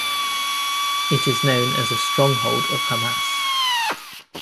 It is known as a stronghold of Hamas.